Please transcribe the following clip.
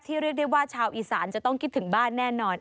เรียกได้ว่าชาวอีสานจะต้องคิดถึงบ้านแน่นอน